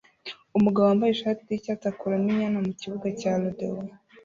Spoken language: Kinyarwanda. Umugabo wambaye ishati yicyatsi akuramo inyana mukibuga cya rodeo